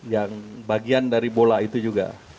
yang bagian dari bola itu juga